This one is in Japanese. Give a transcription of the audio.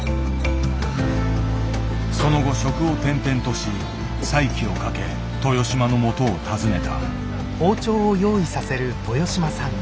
その後職を転々とし再起をかけ豊島のもとを訪ねた。